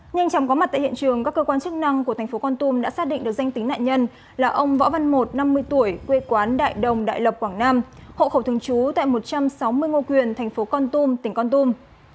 nhanh chóng có mặt tại hiện trường các cơ quan chức năng của thành phố con tum đã xác định được danh tính nạn nhân là ông võ văn một năm mươi tuổi quê quán đại đồng đại lộc quảng nam hộ khẩu thường trú tại một trăm sáu mươi ngô quyền thành phố con tum tỉnh con tum